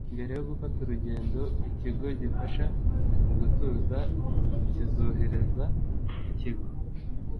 mbere yo gufata urugendo ikigo gifasha mu gutuza kizoherereza ikigo